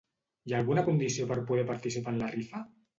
Hi ha alguna condició per poder participar en la rifa?